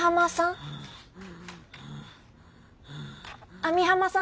網浜さん？